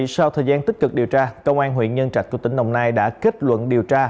sau thời gian tích cực điều tra công an huyện nhân trạch của tỉnh đồng nai đã kết luận điều tra